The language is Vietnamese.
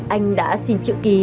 anh đã xin chữ ký